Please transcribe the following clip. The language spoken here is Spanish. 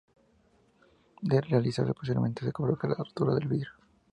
De realizarse posteriormente, se provocaría la rotura del vidrio.